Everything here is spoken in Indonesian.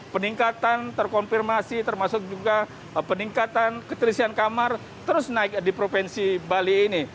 peningkatan terkonfirmasi termasuk juga peningkatan keterisian kamar terus naik di provinsi bali ini